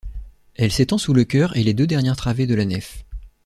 Elle s'étend sous le choeur et les deux dernières travées de la nef.